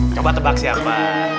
coba tebak siapa